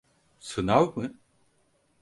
Sınav mı?